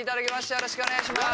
よろしくお願いします。